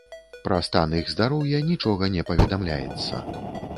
Пра стан іх здароўя нічога не паведамляецца.